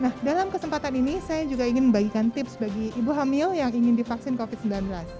nah dalam kesempatan ini saya juga ingin membagikan tips bagi ibu hamil yang ingin divaksin covid sembilan belas